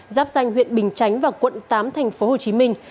giáp danh huyện bình chánh và quận tám tp hcm